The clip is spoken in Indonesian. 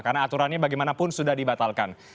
karena aturannya bagaimanapun sudah dibatalkan